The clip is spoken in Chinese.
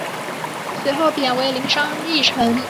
随后贬为麟山驿丞。